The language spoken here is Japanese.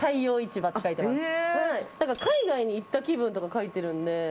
海外に行った気分とか書いてるんで。